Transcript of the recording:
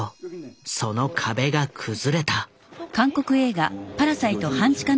その壁が崩れた。